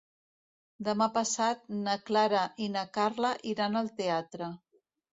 Demà passat na Clara i na Carla iran al teatre.